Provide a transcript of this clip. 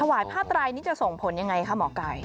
ถวายผ้าตรายนี่จะส่งผลอย่างไรคะหมอไก่